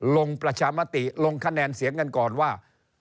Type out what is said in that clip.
ลงประชามติลงคะแนนเสียงกันก่อนว่า